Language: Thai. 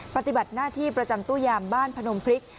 ปฏิบัติหน้าที่ประจำตู้ยามบ้านพนมพริก